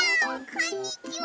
こんにちは。